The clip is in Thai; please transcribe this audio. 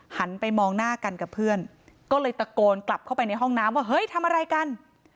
หันไปมองหน้ากันกับเพื่อนก็เลยตะโกนกลับเข้าไปในห้องน้ำว่าเฮ้ยทำอะไรกัน